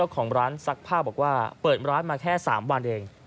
ของร้านซักผ้าบอกว่าเปิดร้านมาแค่๓วันเอง